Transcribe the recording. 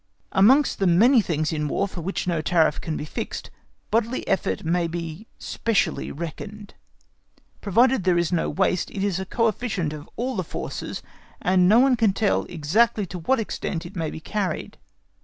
Amongst the many things in War for which no tariff can be fixed, bodily effort may be specially reckoned. Provided there is no waste, it is a coefficient of all the forces, and no one can tell exactly to what extent it may be carried.